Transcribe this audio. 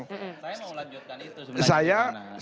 saya mau lanjutkan itu sebenarnya